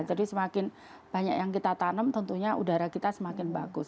jadi semakin banyak yang kita tanam tentunya udara kita semakin bagus